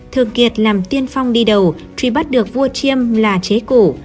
thường kiệt làm tiên phong đi đầu truy bắt được vua chiêm là chế cổ